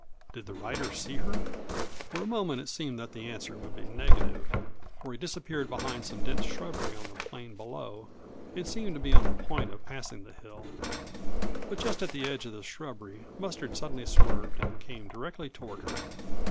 Did the rider see her? For a moment it seemed that the answer would be negative, for he disappeared behind some dense shrubbery on the plain below and seemed to be on the point of passing the hill. But just at the edge of the shrubbery Mustard suddenly swerved and came directly toward her.